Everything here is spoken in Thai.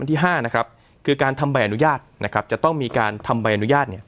ที่๕นะครับคือการทำใบอนุญาตนะครับจะต้องมีการทำใบอนุญาตเนี่ย